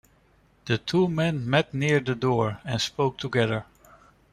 The two men met near the door, and spoke together.